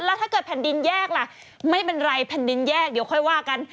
แล้วถ้าเกิดแผ่นดินแยกล่ะไม่เป็นไรแผ่นดินแยกเดี๋ยวค่อยว่ากัน